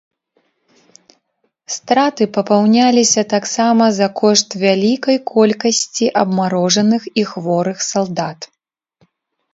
Страты папаўняліся таксама за кошт вялікай колькасці абмарожаных і хворых салдат.